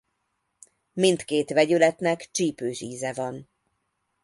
Mindkét vegyületnek csípős íze van.